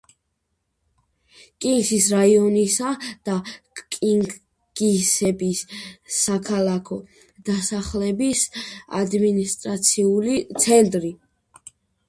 კინგისეპის რაიონისა და კინგისეპის საქალაქო დასახლების ადმინისტრაციული ცენტრი.